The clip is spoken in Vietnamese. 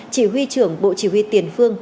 chỉ huy trưởng bộ chỉ huy tiền phương